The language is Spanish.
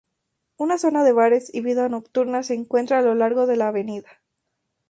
Una zona de bares y vida nocturna se encuentra a lo largo de Av.